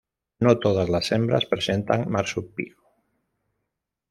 No todas las hembras presentan marsupio.